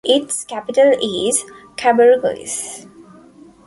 Its capital is Cabarroguis.